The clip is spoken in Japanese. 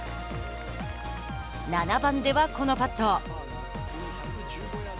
７番ではこのパット。